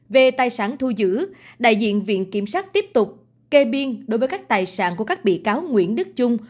về tài sản thu giữ đại diện viện kiểm sát tiếp tục kê biên đối với các tài sản của các bị cáo nguyễn đức trung